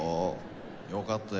よかったよ。